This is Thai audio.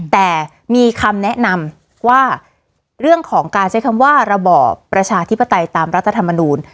แต่มีคำแนะนำว่าเรื่องของการใช้คำว่าระบอบประชาธิปไตยตามรัฐธรรมนูล